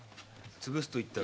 潰すといったら。